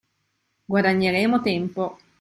Guadagneremmo tempo.